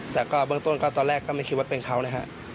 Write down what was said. แต่ก็เบื้องต้นก็ตอนแรกก็ไม่คิดว่าเป็นเขานะฮะ